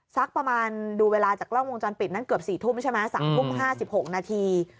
สักประมาณดูเวลาจากกล้องวงจรปิดนั้นเกือบ๔ทุ่มใช่ไหม๓ทุ่ม๕๖นาที